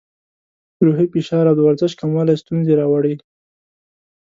روحي فشار او د ورزش کموالی ستونزې راوړي.